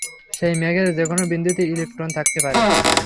সেই মেঘের যেকোনো বিন্দুতে ইলেকট্রন থাকতে পারে।